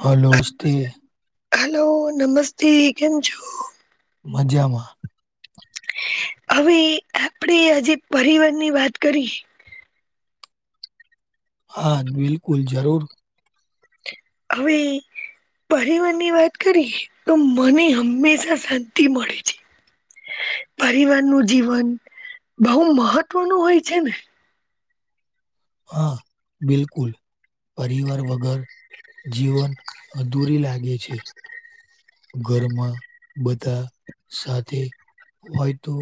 હાલોસ્તે. Hello નમસ્તે કેમ છો. મજામાં હવે આપણેે આજે પરવાર ની વાત કરી હા બિલકુલ જરૂર હવે પરવારની વાત કરીએ તો મને હમેશા શાંતિ મળે છે પરિવાર નું જીવન બહ મહત્વનું હોય છે ને હા બિલકુલ પરિવાર વગર જીવન દૂરી લાગે છે ઘરમાં બધા સાથે હોય તો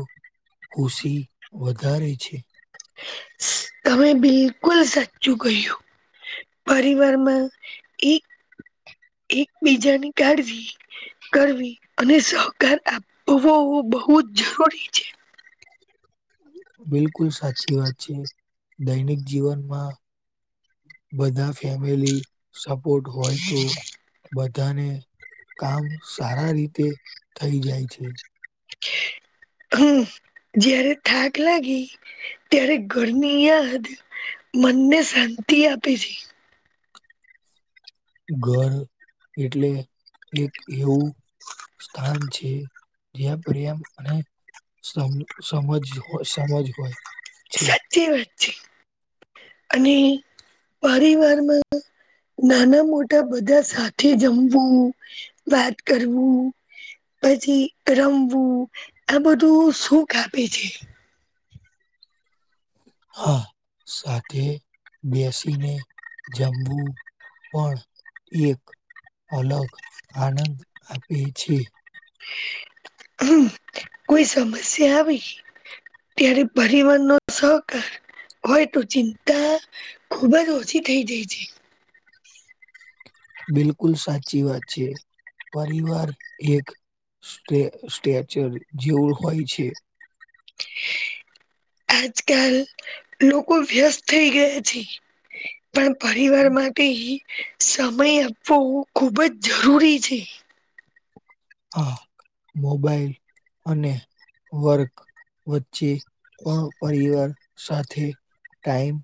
ખુશી વધારે છે તમે બિલકુલ સાચું કહ્યું પરવારમાં એક એકબીજાને કાઢવી કરવી અને સહકાર આપવો બહુ જ જરૂરી છે બિલકુલ સાચી વાત છે દૈનિક જીવનમાં બધા ફેમિલી સપોર્ટ હોય તો બધાને કામ સારા રીતે થઈ જાય છે હમ જયારે થાક લાગી ત્યારે ઘરની યાદ મનને શાંત ી આપી છે ઘર એટલે એક એવું સ્થાન છે જ્યાં પરિામ અને સમ સમજ હો સમજ હોય છે. સાચી વાતચ છે અને પરિવારમાં નાના મોટા બધા સાથે જમવું વાત કરવું પછી રમવું આ બધું સુખ આપે છે હા સાથે બેસીને જમવું પણ એક અલગ આનંદ આપે છે. હ કોઈ સમસ્યા આવી ત્યારે પરિવાર નો સહકાર. હોય તો ચિંતા ખુબ જ ઓછી થઈ જાય છે. બિલકુલ સાચી વાત છે, પરિવાર એક સ્ટેચર જેવું હોય છે. [inaudible] આજકાલ લોકો વ્યસ્ત થઈ ગયા છે પણ પરિવાર માટે સમય આપવો ખૂબ જ જરૂરી છે આ મોબાઈલ અને વર્ક વચ્ચે પણણ પરવાર સાથે ટાઈમ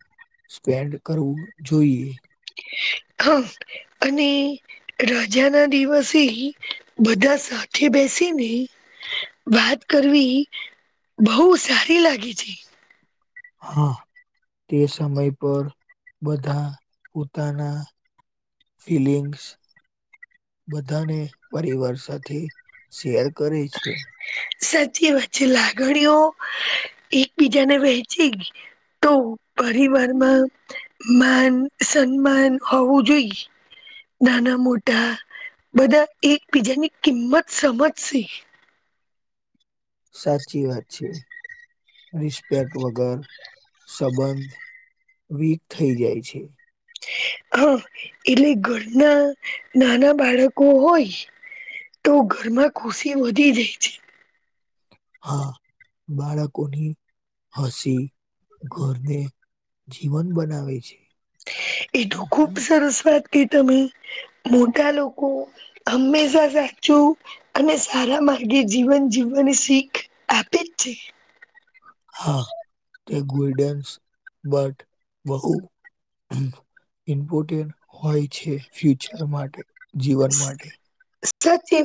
સ્પેન્ડ કરવું જોઈએ હા અને રાજા ના દિવસે બધા સાથે બેસીને વાત કરવી બહુ સારી લાગે છે હા તે સમય પર બધા પોતાના ફલીિંગ્સ બધાને પરિવાર સાથે શેર કરે છે સાચી વાત છે લાગણીઓ એકબીજાને વહેંચી ગ તો પરિવારમાં માન સન્માન હોવું જોઈએ નાના મોટા, બધા એકબીજાની કિંમત સમજશે. સાચી વાત છે. રિસ્પેક્ટ વગર સંબંધ વીક થઈ જાય છે. હા એટલે ઘરના નાના બાળકો હોય. તો ઘરમાં ખુશી વધી જાય છે. હા બાળકોની હસી ઘરને જીવન બનાવે છે. એ તો ખુબ સરસ વા ત તમે, કે તમે મોટા લોકો હંમેશા સાચું અને સારા માર્ગે જીવન જીવવાની શીખ આપે જ છે. હા તે ગુડન્સ બટ વહુ ઇમ્પોર્ટે હોય છે ફ્યુચર માટે. જીવન માટે. સાચી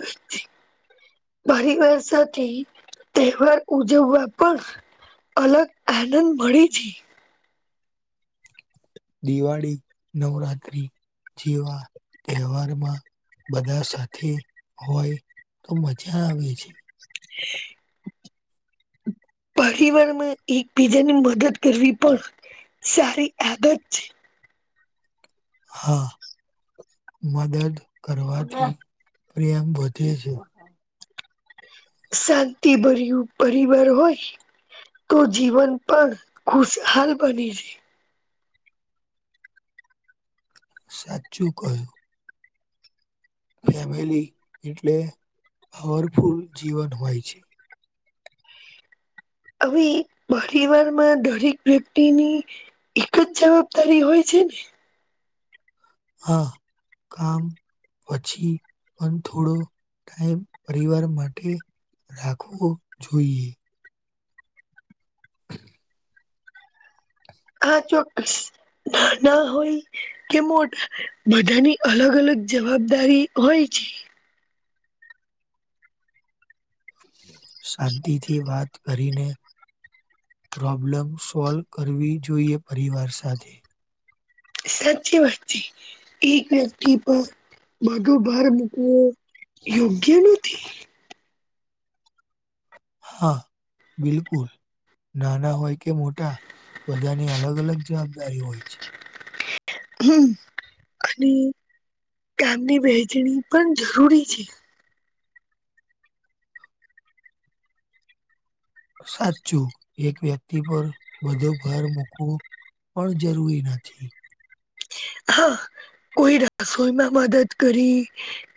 વાત છે. પરિવાર સાથે તહેવાર ઉજવવા પર અલગ આનંદ મળી છે. દિવાળી, નવરાત્રી જેવા તહેવારમાં. બધા સાથે હોય તો મજા આવે છે. હ [unintelligible] પરિવારમાં એકબીજાની મદદ કરવી પણ સારી આદત છે. હા. મદદ કરવાથી પ્રેમ વધે છે. શાંતિભર્યું પરિવાર હોય. તો જીવન પણ ખુશહાલ બને છે. સાચું કહ્યું. ફેમિલી એટલે પાવરફુલ જીવન હોય છે હવે પરિવારમાં દરેક વ્યક્તિની એક જ જવાબદારી હોય છે. [unintelligible] હા કામ પછી પણ થોડો ટાઈમ પરિવાર માટે રાખવો જોઈએ આ ચોક્કસ નાના હોય કે મોટા બધાની અલગ અલગ જવાબદારી હોય છે. શાંતિથી વાત કરીને પ્રોબ્લેમ સોલ્વ કરવી જોઈએ પરિવાર સાથે. સાચી વાત છે, એક વ્યક્તિ પર માધું બાર મૂકવો યોગ્ય નથી. હા બિલકુલ. નાના હોય કે મોટા, બધાની અલગ અલગ જવાબદારી હોય છે. હમ અને કામની વહેંચણી પણ જરૂરી છે. સાચું એક વ્યક્તિ પર બધો ભાર મૂકવો. પણ જરૂરી નથી. હા કોઈ રસોઈમાં મદદ કરી,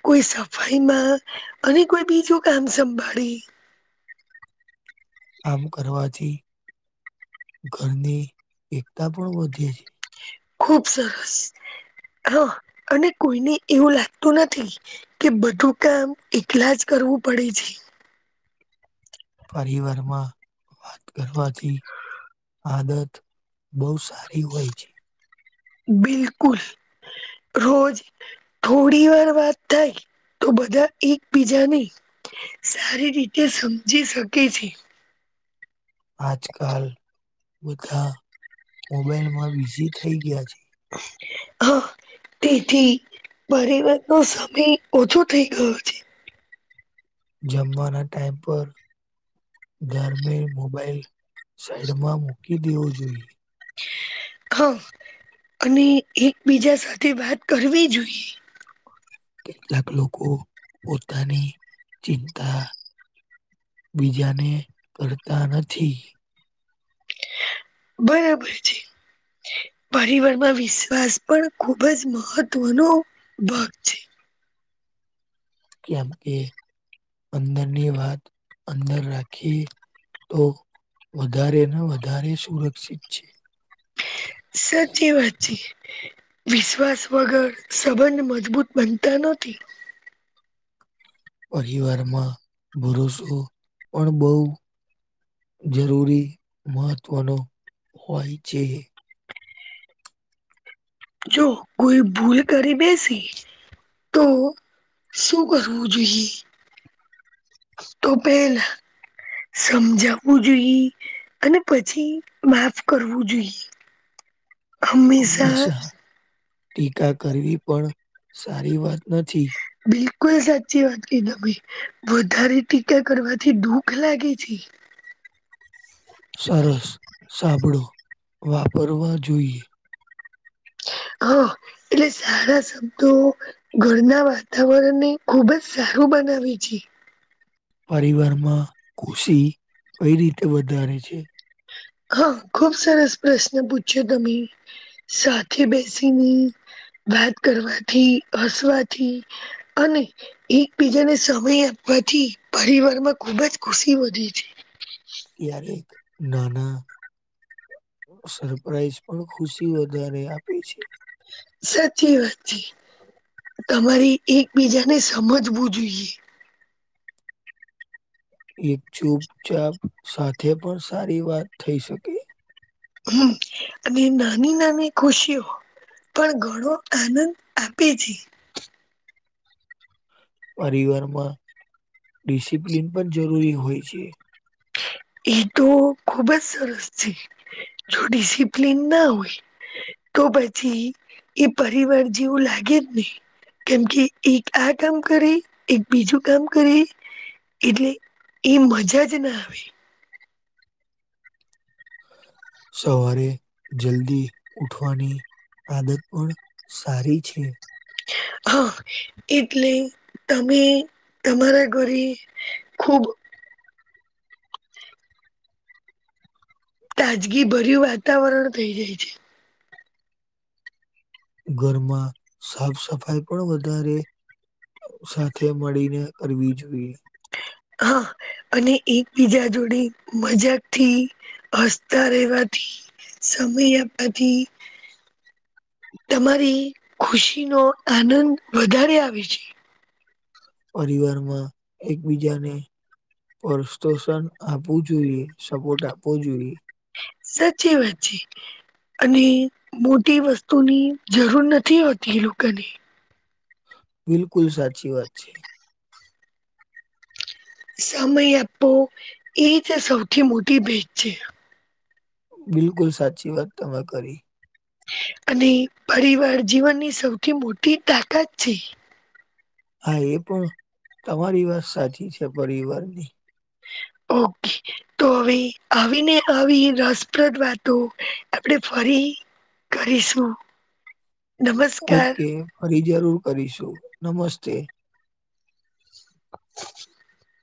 કોઈ સફાઈમાં, અને કોઈ બીજું કા ન સંંભાળી. આમ કરવાથી ઘરની એકતા પણ વધે છે. ખુબ સરસ. હા અને કોઈને એવું લાગતું નથી, કે બધું કામ એકલા જ કરવું પડે છે પરિવારમાં વાત કરવાથી આદત બહુ સારી હોય છે બિલકુલ રોજ થોડી વાર વાત થાય તો બધા એકબીજાને સારી રીતે સમજી શકે છે આજકાલ બધા મોબાઈલમાં બીઝી થઈ ગયા છે હા તેથી પરિવનનો સમય ઓછો થઈ ગયો છે જમવાના ટાઈમ પર ધર મે મોબાાઈલ સાઈડમાં મૂકી દેવો જોઈએ હા અને એકબીજા સાથે વાત કરવી જોઈએ કેટલાક લોકો પોતાની ચિંતા બીજાને કરતા નથી બરાબર છે પરિવારમાં વિશ્વાસ પણ ખુબ જ મહત્વનો ભાગ છે કેમ કે અંદરની વાત અંદર રાખી તો વધારેને વધારે સુરક્ષિત છે સાચી વાત છે વિશ્વાસ વગર સંબંધ મજબૂત બનતા નથી પરિવારમાં પુરષો પણ બહુ જરૂરી મહત્વનો હોય છે જો કોઈ ભૂલ કરી બેસી તો શું કરવું જોઈએ? તો પેલ સમજાવવું જોઈએ અને પછી માફ કરવું જોઈએ હંમેશા ટીકા કરવી પણ સારી વાત નથી બિલકુલ સાચી વાત તમે વધારે ટીકા કરવાથી દુઃખ લાગે છે. [unintelligible] સરસ સાબળો વાપરવા જોઈએ હા એટલે સારા શબ્દો ઘરના વાતાવરણને ખુબ જ સારું બનાવે છે પરિવારમાં ખુશી કઈ રીતે વધારે છે? હા ખુબ સરસ પ્રશ્ન પૂછ્યો તમે સાથે બેસીને વાત કરવાથી હસવાથી અને એકબીજાને સમય આપ પછી પરિવાર માં ખુબ જ ખુશી વધી છે ક્યારેક નાના સરપ્રાાઈઝ પણ ખુશી વધારે આપે છે સાચી વાત છે તમારે એકબીજાને સમજવું જોઈએ એક ચૂપચાપ સાથે પણ સારી વાત થઈ શકે હમ્મ અને નાની નાની ખુશીઓ પણ ઘણો આનંદ આપે છે પરિવારમાં ડિસિપ્લિન પણ જરૂરી હોય છે એ તો ખુબ જ સરસ છે જો ડિસિપ્લીન ના હોય તો પછી એ પરિવાર જેવું લાગે ને કેમ કે એક આ કામ કરી એક બીજું કામ કરી એટલે એ મજા જ ન આવે સવારે જલ્દી ઉઠવાની આદત પણ સારી છે હ હા એટલે તમે તમારા ઘરે ખુબ તાજગી ભર્યું વાતાવરણ થઈ જાય છે ઘરમાં સાફ સફાઈ પણ વધારે સાથે મળીને કરવી જોઈએ હા અને એકબીજા જોડે મજાક થી હસતા રહેવાથી સમય આપવાથી તમારી ખુશીનો આનંદ વધારે આવે છે પરીવારમાં એકબીજાને પ્રોત્સાહન આપવું જોઈએ સપોર્ટ આપવો જોઈએ સાચી વાત છે એટલે અને મોટી વસ્તુની જરૂર નથી હોતી લોકોને બિલકુલ સાચી વાત છે. સમય આપવો એ જ સૌથી મોટી ભેટ છે. બીલકુલ સાચી વાત તમે કરી અને પરિવાર જીવનની સૌથી મોટી તાકાત છે. હા એ પણ તમારી વાત સાચી છે, પરિવારની હ ઓ કે તો હવે આવીને આવી રસપ્રદ વાતો આપણે ફરી કરીશું. ઓ નમસ્કાર કે ફરી જરૂર કરીશું, નમસ્તે [unintelligible] [inaudible]